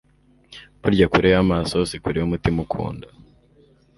burya kure yamaso sikure yumutima ukunda